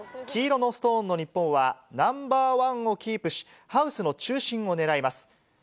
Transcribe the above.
黄色のストーンの日本は、ナンバーワンをキープし、ハウスの中心を狙います。